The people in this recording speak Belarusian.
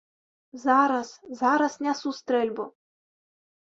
Зараз, зараз нясу стрэльбу.